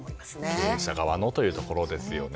利用者側のというところですよね。